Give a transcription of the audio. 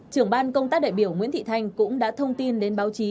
trưởng ban công tác đại biểu nguyễn thị thanh cũng đã thông tin đến báo chí